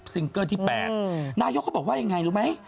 ซิงเกอร์ที่๘นายก็บอกว่าอย่างไงรู้มั้ย